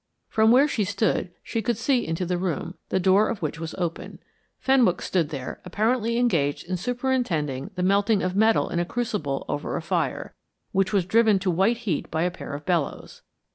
From where she stood she could see into the room, the door of which was open. Fenwick stood there apparently engaged in superintending the melting of metal in a crucible over a fire, which was driven to white heat by a pair of bellows.